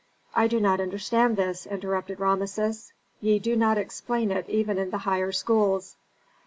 "I do not understand this," interrupted Rameses. "Ye do not explain it even in the higher schools."